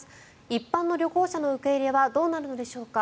一般の旅行者の受け入れはどうなるのでしょうか。